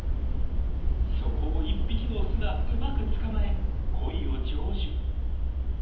そこを１匹のオスがうまく捕まえ恋を成就。